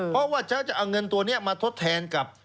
เพราะว่าฉันจะเอาเงินตัวนี้มาทดแทนกับ